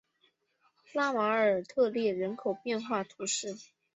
拉马尔特勒人口变化图示